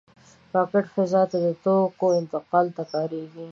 راکټ فضا ته د توکو انتقال ته کارېږي